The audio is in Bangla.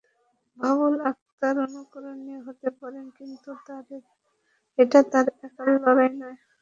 বাবুল আক্তার অনুকরণীয় হতে পারেন, কিন্তু এটা তাঁর একার লড়াই নয়।